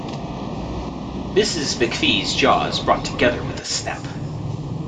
Mrs McFee's jaws brought together with a snap.